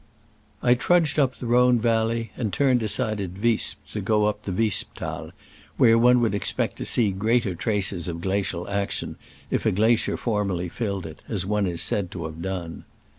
I trudged up the Rhone valley, and turned aside at Visp to go up the Visp Thai, where one would expect to see greater traces of glacial action, if a glacier formerly filled it, as one is said to have done.